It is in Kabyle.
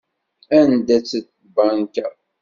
Anda-tt lbanka?